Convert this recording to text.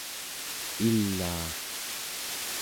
ilaa